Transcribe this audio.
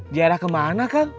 jiarah kemana kang